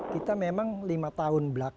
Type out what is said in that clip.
kita memang lima tahun